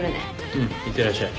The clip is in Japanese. うん。いってらっしゃい。